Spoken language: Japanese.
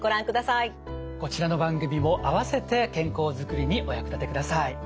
こちらの番組も併せて健康づくりにお役立てください。